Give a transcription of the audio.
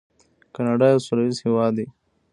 کاناډا یو سوله ییز هیواد دی.